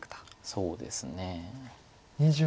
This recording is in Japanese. そうですね。